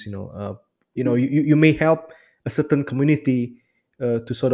anda mungkin membantu komunitas tertentu